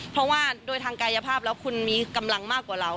เพราะว่าโดยทางกายภาพแล้วคุณมีกำลังมากกว่าเรา